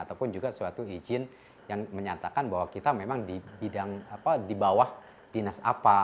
ataupun juga suatu izin yang menyatakan bahwa kita memang di bawah dinas apa